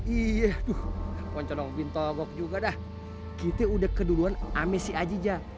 iya poncolongok bintogok juga dah kita udah keduluan ame syi ajija